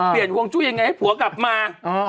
เปลี่ยนห่วงจุยังไงให้ผัวกลับมา